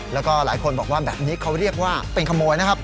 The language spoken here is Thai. แล้วก็หลายคนบอกว่าแบบนี้เขาเรียกว่าเป็นขโมยนะครับ